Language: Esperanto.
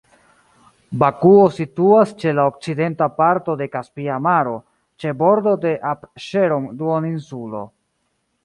Bakuo situas ĉe la okcidenta parto de Kaspia Maro, ĉe bordo de Apŝeron-duoninsulo.